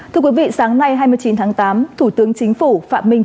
thưa quý vị sáng nay hai mươi chín tháng tám thủ tướng chính phủ phạm minh chính